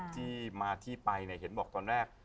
ที่มาที่ไปเห็นบอกตอนแรก